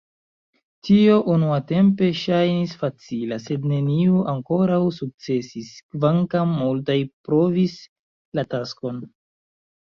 Tio unuatempe ŝajnis facila, sed neniu ankoraŭ sukcesis, kvankam multaj provis la taskon.